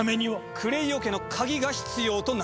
クレイオ家の鍵が必要となる。